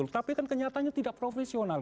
tapi kan kenyataannya tidak profesional